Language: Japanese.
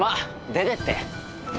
出てって。